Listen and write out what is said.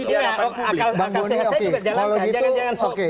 dari awal publik